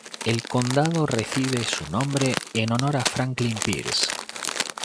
El condado recibe su nombre en honor a Franklin Pierce.